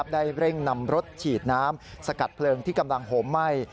ได้เร่งนำรถฉีดน้ำสกัดเพลิงที่กำลังโหมไหม้